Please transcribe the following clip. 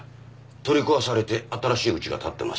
取り壊されて新しいうちが建ってます。